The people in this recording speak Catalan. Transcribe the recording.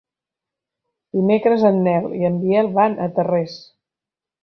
Dimecres en Nel i en Biel van a Tarrés.